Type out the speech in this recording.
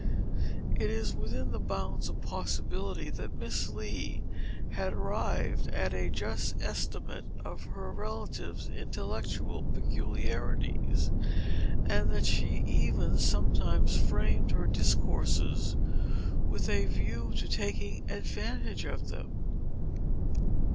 It is within the bounds of possibility that Miss Lee had arrived at a just estimate of her relative's intellectual peculiarities, and that she even sometimes framed her discourses with a view to taking advantage of them.